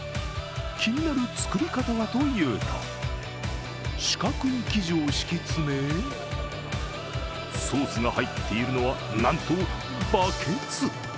気になる作り方はというと四角い生地を敷き詰めソースが入っているのはなんとバケツ。